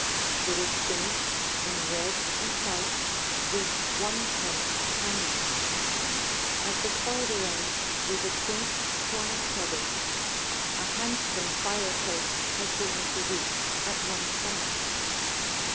It is finished in red and white, with one toned hangings; at the farther end is a quaint corner cupboard; a handsome fireplace has been introduced at one side.